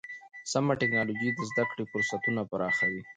سمه ټکنالوژي د زده کړې فرصتونه پراخوي.